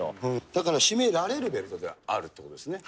だから締められるベルトであるということですね。